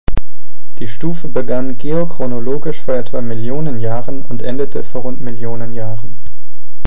Die Stufe begann geochronologisch vor etwa Millionen Jahren und endete vor rund Millionen Jahren.